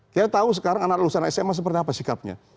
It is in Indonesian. kita tahu sekarang anak lulusan sma seperti apa sikapnya